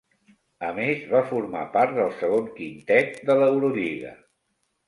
A més va formar part del segon quintet de l'Eurolliga.